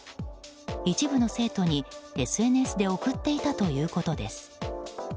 一部の生徒にＳＮＳで送っていたということです。